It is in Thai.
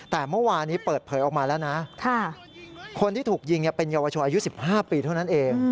แต่เมื่อวานี้เปิดเผยออกมาแล้วนะคนที่ถูกยิงเป็นเยาวชนอายุ๑๕ปีเท่านั้นเอง